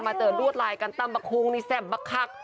มาเติมรวดลายกันตั้มปะคุ้งนี่แซ่บปะคัก